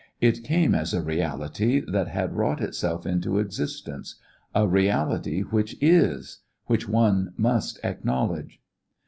It came as a reality that had wrought itself into existence, a reality which is, which one must acknowledge.